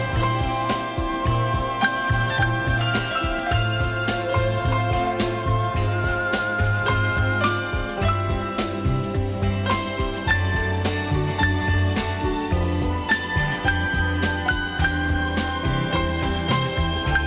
hẹn gặp lại